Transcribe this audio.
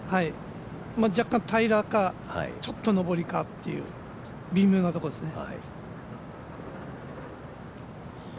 若干平らか、ちょっと上りかっていう微妙なところですね。